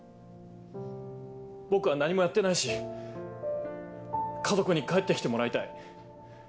僕は何もやってないし家族に帰って来てもらいたい。